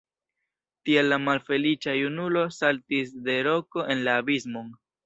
Tial la malfeliĉa junulo saltis de roko en la abismon.